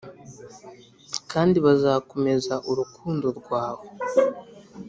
kandi bazakomeza urukundo rwawe.